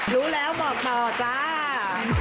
รู้แล้วบอกต่อจ้า